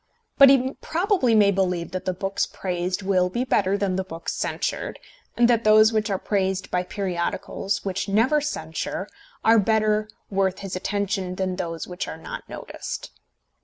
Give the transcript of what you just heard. But he probably may believe that the books praised will be better than the books censured, and that those which are praised by periodicals which never censure are better worth his attention than those which are not noticed.